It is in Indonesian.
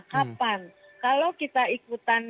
kapan kalau kita ikutan